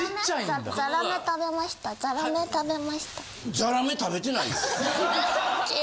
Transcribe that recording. ザラメ食べてないよ。